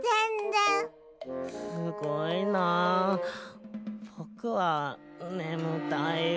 すごいなぼくはねむたいよ。